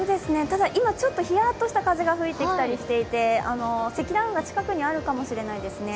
ただ、今、ちょっとひやっとした風が吹いてきたりしていて、積乱雲が近くにあるかもしれないですね。